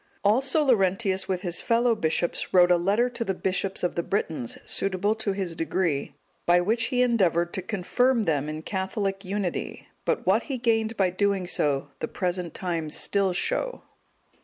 Also Laurentius with his fellow bishops wrote a letter to the bishops of the Britons, suitable to his degree, by which he endeavoured to confirm them in Catholic unity; but what he gained by so doing the present times still show.